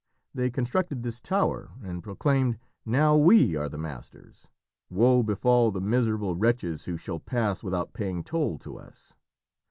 They constructed this tower, and proclaimed, 'Now we are the masters! Woe befall the miserable wretches who shall pass without paying toll to us!